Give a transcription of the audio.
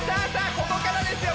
ここからですよ